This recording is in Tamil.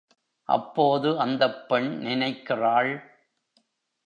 அப்போது அந்தப் பெண் நினைக்கிறாள்.